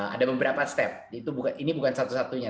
ada beberapa step ini bukan satu satunya